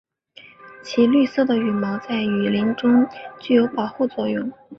其绿色的羽毛在雨林中具有保护作用。